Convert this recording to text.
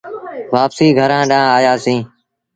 وآپسيٚ گھرآݩ ڏآنهن آيآ سيٚݩ۔